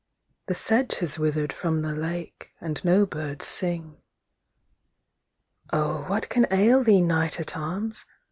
The sedge has wither'd from the lake, And no birds sing. II.O what can ail thee, knight at arms!